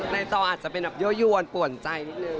ในต่ออาจจะเป็นแบบโยยวนปวดใจนิดนึง